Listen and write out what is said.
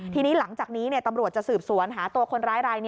ทีนี้หลังจากนี้ตำรวจจะสืบสวน